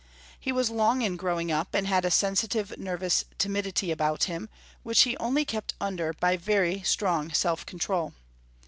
He was long in growing up, and had a sensitive nervous timidity about him, which he only kept under by very strong self control.